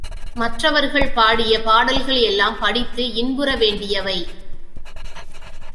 மற்றவர்கள் பாடிய பாடல்களெல்லாம் படித்து இன்புற வேண்டியவை.